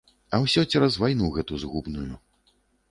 А ўсё цераз вайну гэту згубную.